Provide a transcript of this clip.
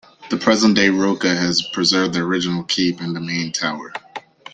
The present-day Rocca has preserved the original keep and the main tower.